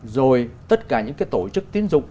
rồi tất cả những cái tổ chức tiến dụng